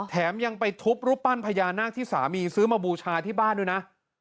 แถมยังไปทุบรูปปั้นพญานาคที่สามีซื้อมาบูชาที่บ้านด้วยนะ